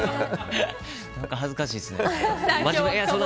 恥ずかしいですね。